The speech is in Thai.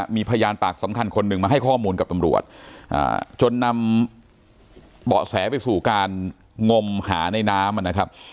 มีพยานปากสำคัญคนหนึ่งมาให้ข้อมูลกับตำรวจจนนำเบาะแสไปสู่การงมหาในน้ำนะครับ